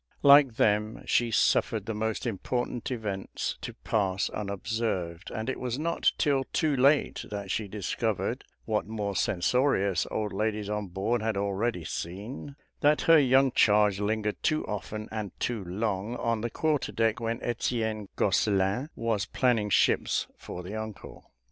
Like them, she suffered the most important events to pass unobserved, and it was not till too late that she discovered, what more censorious old ladies on board had already seen, that her young charge lingered too often and too long on the quarter deck when Etienne Gosselin was planning ships for the uncle.